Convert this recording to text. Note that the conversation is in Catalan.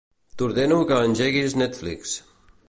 T'ordeno que engeguis Netflix.